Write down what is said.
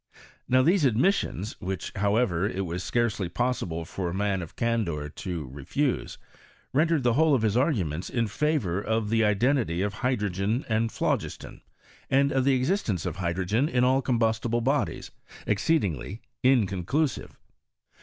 Now these admissions, which, however, it was scarcely possible for a man of candour to refuse, rendered the whola of his arguments in favour of the identity of hydro gen and phlogiston, and of the existence of hydrt^n m all combustible bodies, exceedingly inconclusive.